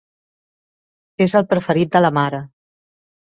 És el preferit de la mare.